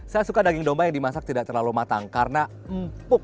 saya suka daging domba yang dimasak tidak terlalu matang karena empuk